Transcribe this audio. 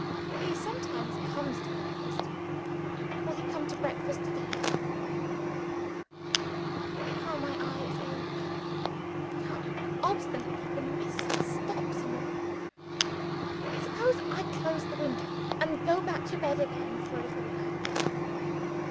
He sometimes comes to breakfast. Will he come to breakfast to day? Oh, how my eyes ache! and how obstinately the mist stops in the room! Suppose I close the window, and go back to bed again for a little while?